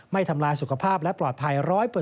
ทำลายสุขภาพและปลอดภัย๑๐๐